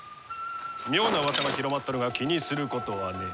妙なうわさが広まっとるが気にすることはねえ。